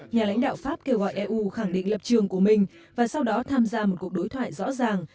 nhà lãnh đạo pháp kêu gọi eu khẳng định lập trường của mình và sau đó tham gia một cuộc đối thoại rõ ràng